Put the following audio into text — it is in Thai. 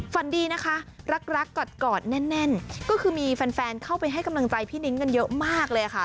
ฝันดีนะคะรักรักกอดแน่นก็คือมีแฟนเข้าไปให้กำลังใจพี่นิ้งกันเยอะมากเลยค่ะ